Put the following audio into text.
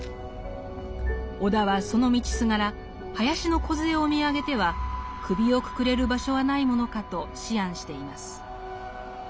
尾田はその道すがら林の梢を見上げては首をくくれる場所はないものかと思案しています。